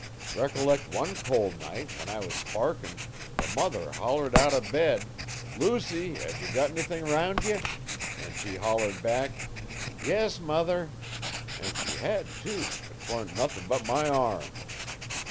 Recollec' one col'night when I was sparkin' the mother hollered out o' bed, "Lucy, hev ye got anythin 'round ye?" an' she hollered back, "Yis, mother," an' she hed too but 'twan't nothin' but my arm.'